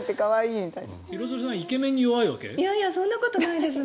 いやいやそんなことないです。